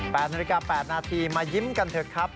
๘นาฬิกา๘นาทีมายิ้มกันเถอะครับ